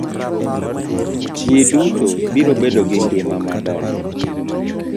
Ji duto biro bedo gi ngima ma ber.